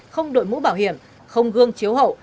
không đội mũ bảo hiểm không gương chiếu hậu